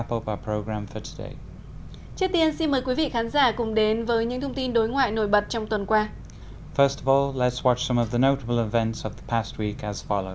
trước tiên xin mời quý vị khán giả cùng đến với những thông tin đối ngoại nổi bật trong tuần qua